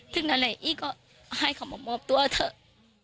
ทุกวันไหนอีกก็ให้เค้ามามอบตัวเถอะ